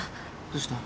どうした？